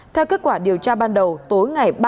theo kết quả điều tra ban đầu tối ngày